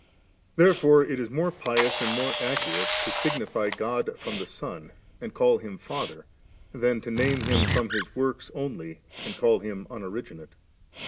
34. Therefore it is more pious and more accurate to signify God from the Son and call Him Father, than to name Him from His works only and call Him Unoriginate ^.